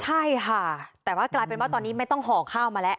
ใช่ค่ะแต่ว่ากลายเป็นว่าตอนนี้ไม่ต้องห่อข้าวมาแล้ว